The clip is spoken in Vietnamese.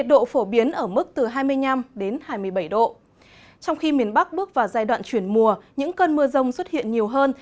trong khi miền bắc bước vào giai đoạn chuyển mùa những cơn mưa rông xuất hiện nhiều hơn